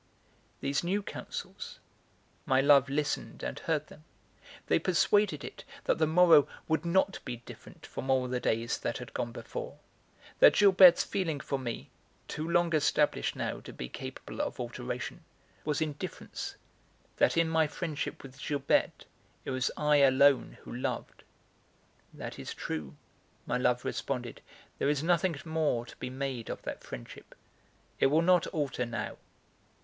These new counsels, my love listened and heard them; they persuaded it that the morrow would not be different from all the days that had gone before; that Gilberte's feeling for me, too long established now to be capable of alteration, was indifference; that in my friendship with Gilberte, it was I alone who loved. "That is true," my love responded, "there is nothing more to be made of that friendship. It will not alter now."